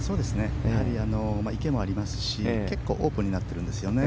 池もありますし結構オープンになってるんですよね。